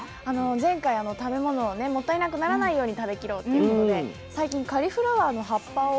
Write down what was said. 前回食べ物をねもったいなくならないように食べきろうということで最近カリフラワーの葉っぱを細かく刻んで。